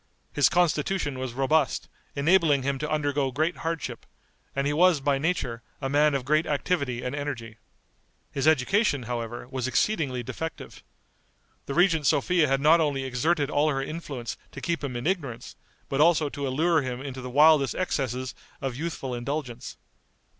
His constitution was robust, enabling him to undergo great hardship, and he was, by nature, a man of great activity and energy. His education, however, was exceedingly defective. The regent Sophia had not only exerted all her influence to keep him in ignorance, but also to allure him into the wildest excesses of youthful indulgence.